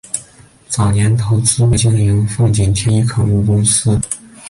早年投资并经营奉锦天一垦务公司。